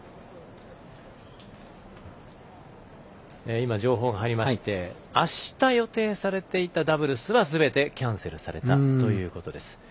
今、情報が入りましてあした、予定されていたダブルスは、すべてキャンセルされたということです。